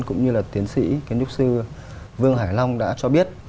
cũng như là tiến sĩ kiến trúc sư vương hải long đã cho biết